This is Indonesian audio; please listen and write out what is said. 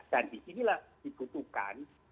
dan di ginilah dibutuhkan